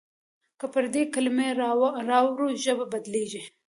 که پردۍ کلمې راوړو ژبه بدلېږي.